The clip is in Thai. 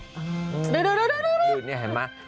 เหมือนน้องน่ารัก